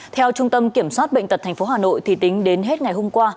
theo trung tâm kiểm soát bệnh tật tp hà nội tính đến hết ngày hôm qua